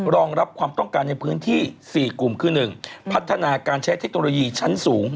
รองรับความต้องการในพื้นที่๔กลุ่มคือ๑พัฒนาการใช้เทคโนโลยีชั้นสูง